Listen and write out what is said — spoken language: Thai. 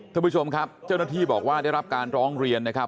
ท่านผู้ชมครับเจ้าหน้าที่บอกว่าได้รับการร้องเรียนนะครับ